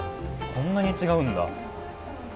こんなに違うんだ。